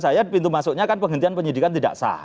saya pintu masuknya kan penghentian penyidikan tidak sah